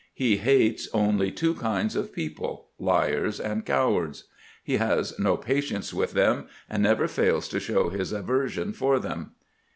He hates only two kinds of people, liars and cowards. He has no patience with them, and never fails to show his aversion for them."